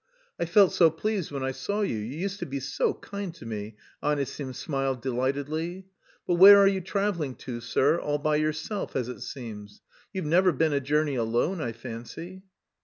"I felt so pleased when I saw you, you used to be so kind to me," Anisim smiled delightedly. "But where are you travelling to, sir, all by yourself as it seems.... You've never been a journey alone, I fancy?"